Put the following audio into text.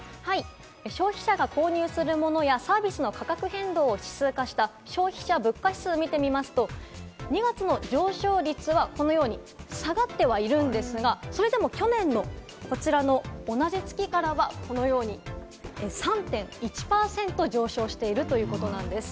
消費者が購入する物やサービスの価格変動を指数化した消費者物価指数を見てみますと、２月の上昇率はこのように下がってはいるんですが、それでも去年のこちらの同じ月からは、このように３．１％上昇しているということなんです。